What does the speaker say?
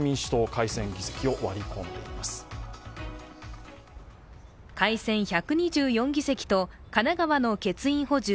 改選１２４議席と神奈川の欠員補充